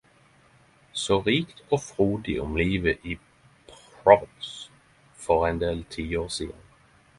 Så rikt og frodig om livet i Provence for ein del tiår sidan.